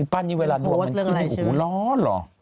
ปั้นนี่เวลาโพสเรื่องอะไรใช่ไหมโพสเรื่องร้อนเหรอ